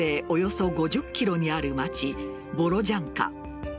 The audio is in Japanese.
およそ５０ｋｍにある町ボロジャンカ。